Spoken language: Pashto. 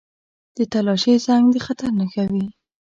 • د تالاشۍ زنګ د خطر نښه وي.